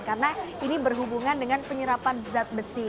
karena ini berhubungan dengan penyerapan zat besi